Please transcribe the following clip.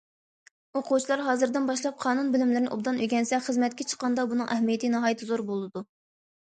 ئوقۇغۇچىلار ھازىردىن باشلاپ قانۇن بىلىملىرىنى ئوبدان ئۆگەنسە، خىزمەتكە چىققاندا بۇنىڭ ئەھمىيىتى ناھايىتى زور بولىدۇ.